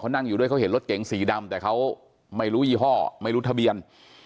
นั่งอยู่ด้วยเขาเห็นรถเก๋งสีดำแต่เขาไม่รู้ยี่ห้อไม่รู้ทะเบียน